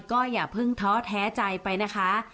ก็อย่าเพิ่งท้อแท้ใจไปนะคะ